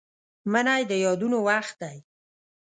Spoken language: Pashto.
منی د یادونو وخت دی